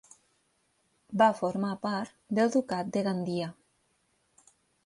Va formar part del ducat de Gandia.